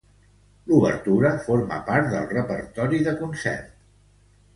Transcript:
L'obertura forma part del repertori de concert.